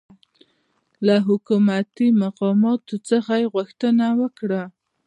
له حکومتي مقاماتو څخه یې غوښتنه وکړه